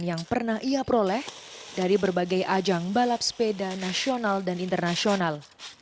yang pernah ia peroleh dari berbagai ajang balap sepeda nasional dan internasional